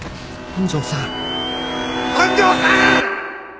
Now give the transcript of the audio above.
本庄さん！